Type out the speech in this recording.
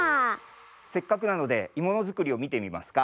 せっかくなのでいものづくりをみてみますか？